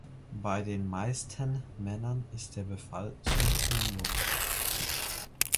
Bei den meisten Männern ist der Befall symptomlos.